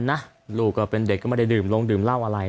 นะลูกก็เป็นเด็กก็ไม่ได้ดื่มลงดื่มเหล้าอะไร